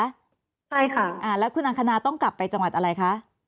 ใช่ค่ะแล้วคุณอังคณาต้องกลับไปจังหวัดอะไรคะ